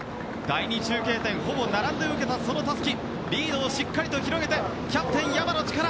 第２中継点ほぼ並んで受けた、そのたすきリードをしっかりと広げてキャプテン、山野力